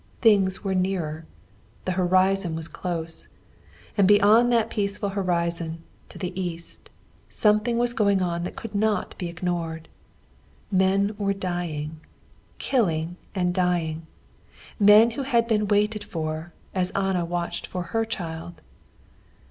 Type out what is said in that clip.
Things were nearer. The horizon was close. And beyond that peaceful horizon, to the east, something was going on that could not be ignored. Men were dying. Killing and dying. Men who had been waited for as Anna watched for her child.